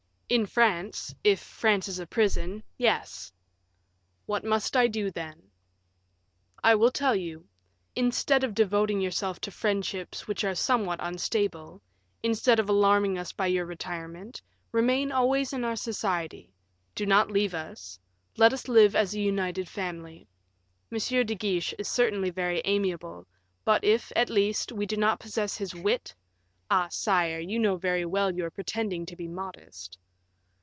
"In France if France is a prison yes." "What must I do, then?" "I will tell you. Instead of devoting yourself to friendships which are somewhat unstable, instead of alarming us by your retirement, remain always in our society, do not leave us, let us live as a united family. M. de Guiche is certainly very amiable; but if, at least, we do not possess his wit " "Ah, sire, you know very well you are pretending to be modest."